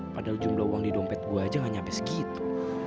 padahal jumlah uang di dompet gua aja nggak nyampe segitu